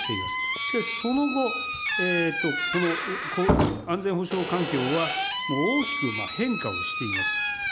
しかし、その後、安全保障環境は大きく変化をしています。